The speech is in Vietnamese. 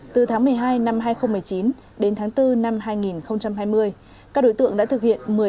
từ tháng một mươi hai năm hai nghìn một mươi chín đến tháng bốn năm hai nghìn hai mươi các đối tượng đã thực hiện